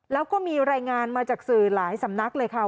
แล้วก็มีรายงานมาจากสื่อหลายสำนักเลยค่ะ